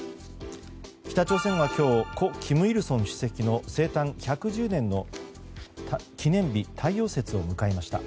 北朝鮮は今日故・金日成主席の生誕１１０年の記念日太陽節を迎えました。